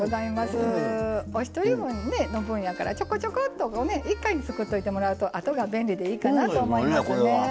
お１人の分やからちょこちょこっと１回に作っておいてもらうとあとが便利でいいかなと思いますね。